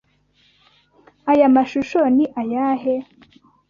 Aya mashusho ni ayahe?